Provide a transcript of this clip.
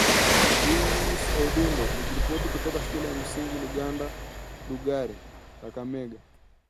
Chriiiis Odundoo nikiripotia kutoka shule ya msingi Luanda Lugari, Kakamega